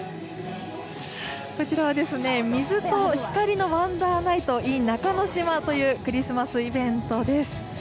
こちらは水と光のワンダーナイトｉｎ中之島というクリスマスイベントです。